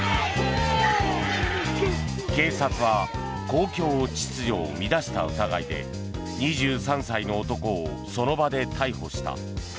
警察は公共秩序を乱した疑いで２３歳の男をその場で逮捕した。